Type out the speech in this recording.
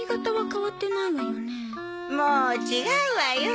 もう違うわよ。